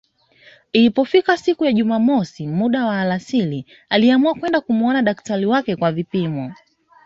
Ilipofika siku ya jumatano muda wa alasiri aliamua kwenda kumuona daktari wake kwa vipimo